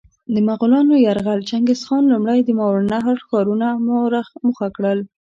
د مغولانو یرغل: چنګیزخان لومړی د ماورالنهر ښارونه موخه کړل.